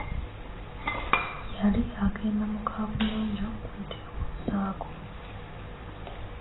Yali agenda mu kabuyonjo kwetewuluzaako.